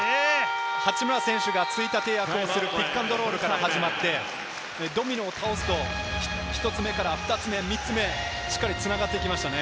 八村選手がついたて役をするピックアンドロールから始まって、ドミノを倒すと１つ目から２つ目、３つ目、しっかりと繋がってきましたね。